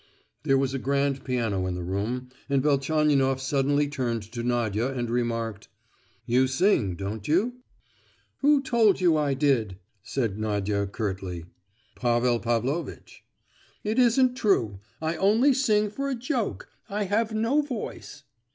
There was a grand piano in the room, and Velchaninoff suddenly turned to Nadia and remarked: "You sing, don't you?" "Who told you I did?" said Nadia curtly. "Pavel Pavlovitch." "It isn't true; I only sing for a joke—I have no voice."